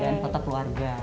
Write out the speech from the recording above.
dan foto keluarga